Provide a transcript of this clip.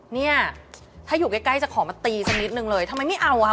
เนี่ยถ้าอยู่ใกล้ใกล้จะขอมาตีสักนิดนึงเลยทำไมไม่เอาอ่ะค่ะ